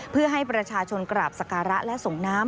เพื่อให้ประชาชนกราบสการะและส่งน้ำ